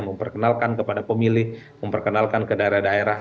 memperkenalkan kepada pemilih memperkenalkan ke daerah daerah